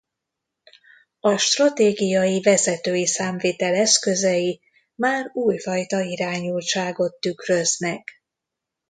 A stratégiai vezetői számvitel eszközei már újfajta irányultságot tükröznek.